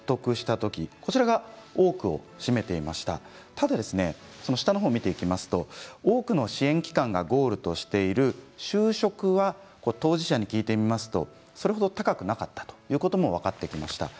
ただ下の方を見ていくと多くの支援機関がゴールとしている就職は当事者に聞くとそれ程、高くなかったということも分かってきました。